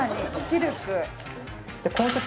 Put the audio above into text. シルク。